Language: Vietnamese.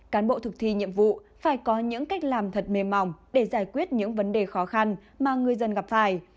cán bộ thực thi nhiệm vụ phải có những cách làm thật mềm mỏng để giải quyết những vấn đề khó khăn mà người dân gặp phải